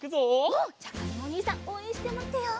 うん！じゃあかずむおにいさんおうえんしてまってよう。